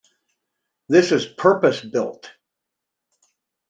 This is purpose built.